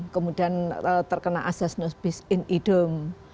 kemudian terkena ases nobis in idem